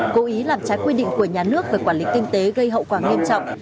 cố ý làm trái quy định của nhà nước về quản lý kinh tế gây hậu quả nghiêm trọng